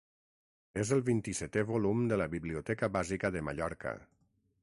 És el vint-i-setè volum de la Biblioteca Bàsica de Mallorca.